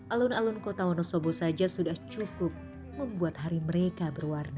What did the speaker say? alun alun kota wonosobo saja sudah cukup membuat hari mereka berwarna